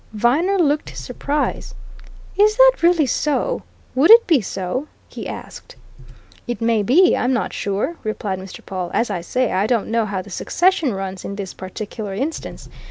Viner looked his surprise. "Is that really so would it be so?" he asked. "It may be I'm not sure," replied Mr. Pawle. "As I say, I don't know how the succession runs in this particular instance.